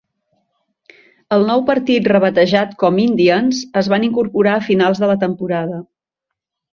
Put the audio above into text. El nou partit rebatejat com Indians es van incorporar a finals de la temporada.